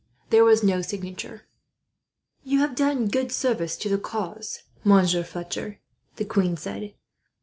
There was no signature. "You have done good service to the cause, Monsieur Fletcher," the queen said.